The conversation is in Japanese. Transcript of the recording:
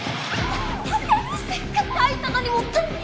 せっかく開いたのにもったいねえな！